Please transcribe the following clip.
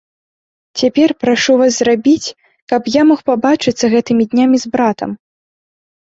Цяпер прашу вас зрабіць, каб я мог пабачыцца гэтымі днямі з братам.